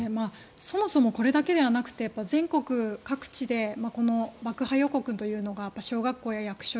そもそもこれだけではなくて全国各地でこの爆破予告というのが小学校や役所